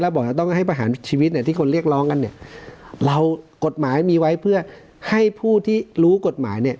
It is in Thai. บอกจะต้องให้ประหารชีวิตเนี่ยที่คนเรียกร้องกันเนี่ยเรากฎหมายมีไว้เพื่อให้ผู้ที่รู้กฎหมายเนี่ย